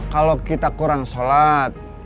kalau kita kurang solat